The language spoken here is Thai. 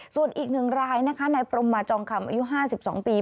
ส่วนอีกหนึ่งรายนะคะในปรมมาจองคำอายุห้าสิบสองปี